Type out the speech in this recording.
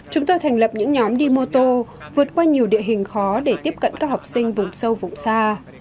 chúng tôi thành lập những nhóm đi mô tô vượt qua nhiều địa hình khó để tiếp cận các học sinh vùng sâu vùng xa